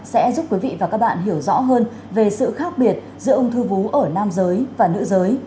sẽ giúp quý vị và các bạn hiểu rõ hơn về sự khác biệt giữa ung thư vú ở nam giới và nữ giới